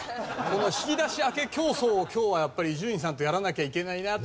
この引き出し開け競争を今日はやっぱり伊集院さんとやらなきゃいけないなと。